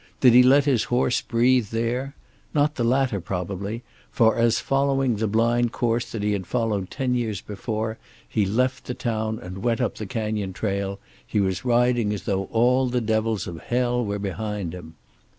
Did he let his horse breathe there? Not the latter, probably, for as, following the blind course that he had followed ten years before, he left the town and went up the canyon trail, he was riding as though all the devils of hell were behind him.